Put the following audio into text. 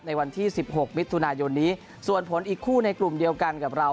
ในวันที่๑๖มิถุนายนนี้ส่วนผลอีกคู่ในกลุ่มเดียวกันกับเรา